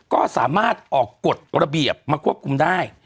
ก็สามารถออกกฎระเบียบมาควบคุมได้